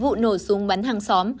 vụ nổ súng bắn hàng xóm